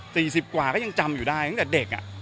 สิบกว่าก็ยังจำอยู่ได้ตั้งแต่เด็กอ่ะ